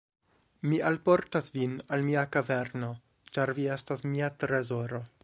"Mi alportas vin al mia kaverno, ĉar vi estas mia trezoro."